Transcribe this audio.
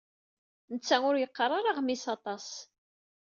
Netta ur yeqqar ara aɣmis aṭas.